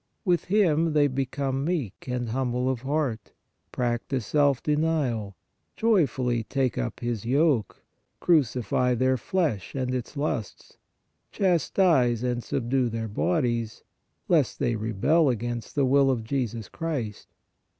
With Him they become meek and humble of heart, practise self denial, joyfully take up His yoke, cru cify their flesh and its lusts, chastise and subdue their bodies, lest they rebel against the will of Jesus Christ.